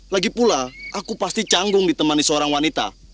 lagipula aku pasti canggung ditemani seorang wanita